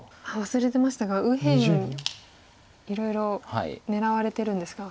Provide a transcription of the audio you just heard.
忘れてましたが右辺いろいろ狙われてるんですが。